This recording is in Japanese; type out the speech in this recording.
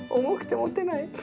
重くて持てない。